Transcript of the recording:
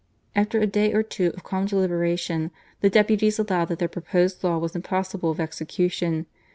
/ After a day or two of calm deliberation, the deputies allowed that their proposed law was im possible of execution.